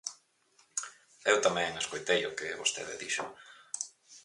Eu tamén escoitei o que vostede dixo.